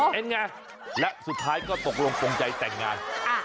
เป็นไงและสุดท้ายก็ตกลงปงใจแต่งงาน